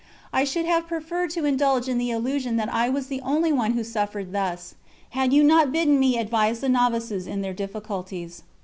I should have preferred to indulge in the illusion that I was the only one who suffered thus, had you not bidden me advise the novices in their difficulties.